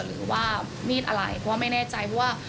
หรือว่ามีดอะไรเพราะว่าไม่แน่ใจว่า